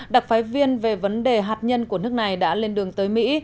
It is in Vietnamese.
đặc phái viên về vấn đề hạt nhân của nước này đã lên đường tới mỹ